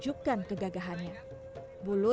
sambutan penguasa pulau menyapa dari balik pepohonan